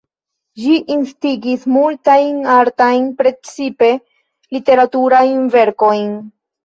Ĝi instigis multajn artajn, precipe literaturajn verkojn.